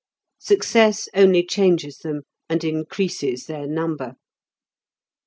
Success only changes them, and increases their number.